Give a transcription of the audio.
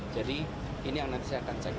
ini yang nanti saya akan cek